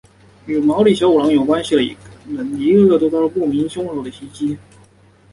与毛利小五郎有关系的人一个个都遭到不明凶手的袭击。